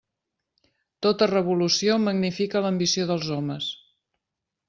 Tota revolució magnifica l'ambició dels homes.